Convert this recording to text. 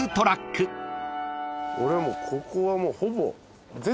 俺はここはもうほぼ。